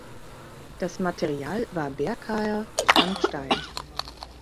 Das Material war Berkaer Sandstein.